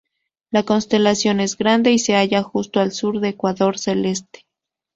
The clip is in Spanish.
La constelación es grande, y se halla justo al sur del ecuador celeste.